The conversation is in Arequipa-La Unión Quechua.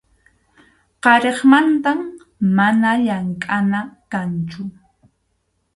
qariqmantam mana llamkʼana kanchu.